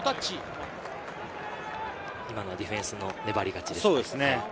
今のディフェンスの粘り勝ちですね。